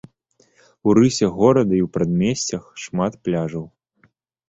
У рысе горада і ў прадмесцях шмат пляжаў.